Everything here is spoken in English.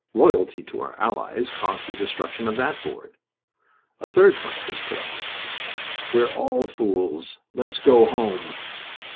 Loyalty to our allies caused the destruction of that board. A third plank was put up: "We're all fools. Let's all go home."